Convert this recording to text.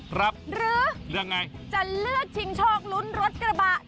ครับเลือกไงหรือจะเลือกชิงโชคลุ้นรถกระบะ